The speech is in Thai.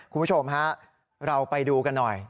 คุณผู้ชมฮะเราไปดูกันหน่อย